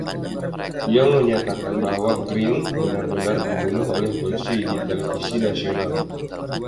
Young menyatakan bahwa Green "benar-benar dibunuh oleh polisi" di televisi nasional.